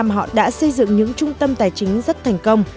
họ đã xây dựng những trung tâm tài chính rất thành công